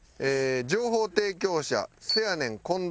情報提供者『せやねん！』